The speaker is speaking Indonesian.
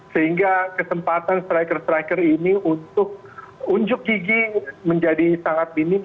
sehingga kesempatan striker striker ini untuk unjuk gigi menjadi sangat minim